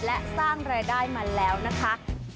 และสร้างรายได้มาแล้วนะคะ